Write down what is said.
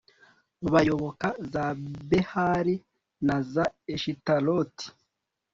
bayoboka za behali na za ashitaroti